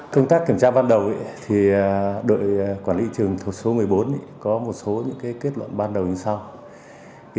công tác kiểm tra ban đầu đội quản lý trường thuộc số một mươi bốn có một số những kết luận ban đầu như sau